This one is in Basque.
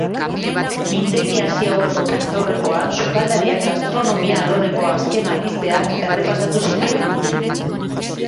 Mintegia hasi aurreko prentsaurrekoan, sukaldariak gastronomia alorreko azken albisteak errepasatu zituen.